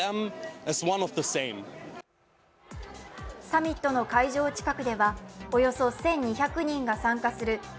サミットの会場近くではおよそ１２００人が参加するＧ７